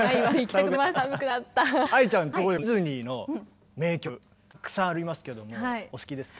ところでディズニーの名曲たくさんありますけどもお好きですか？